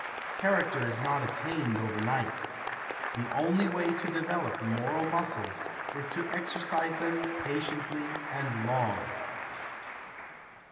Character is not attained over night. The only way to develop moral muscles is to exercise them patiently and long.